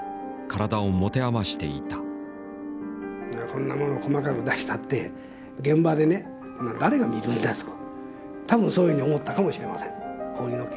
こんなもの細かく出したって現場でね誰が見るんだと多分そういうふうに思ったかもしれません小売りの経験があれば。